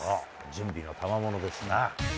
準備のたまものですな。